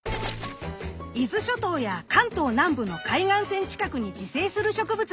伊豆諸島や関東南部の海岸線近くに自生する植物です。